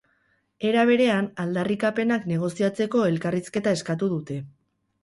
Era berean, aldarrikapenak negoziatzeko elkarrizketa eskatu dute.